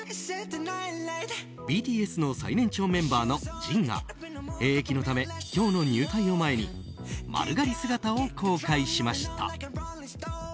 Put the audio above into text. ＢＴＳの最年長メンバーのＪＩＮが、兵役のため今日の入隊を前に丸刈り姿を公開しました。